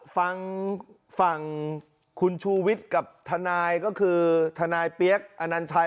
ฟังคุณชูวิตและก็คือทนายเปี๊ยกอันนันไช